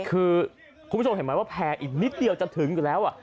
คือคุณผู้ชมเห็นไหมว่าแพรอีกนิดเดียวจะถึงอยู่แล้ว